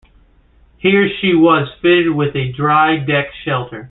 Here she was fitted with a Dry Deck Shelter.